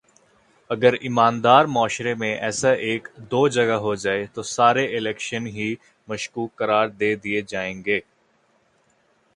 اگر ایماندار معاشرے میں ایسا ایک دو جگہ ہو جائے تو سارے الیکشن ہی مشکوک قرار دے دیئے جائیں گے